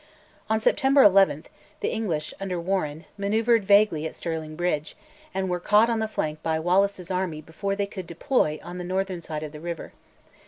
On September 11, the English, under Warenne, manoeuvred vaguely at Stirling Bridge, and were caught on the flank by Wallace's army before they could deploy on the northern side of the river.